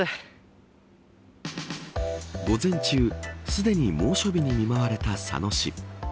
午前中すでに猛暑日に見舞われた佐野市。